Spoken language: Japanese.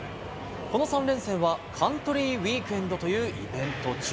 この３連戦はカントリーウィークエンドというイベント中。